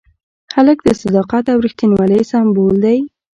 هلک د صداقت او ریښتینولۍ سمبول دی.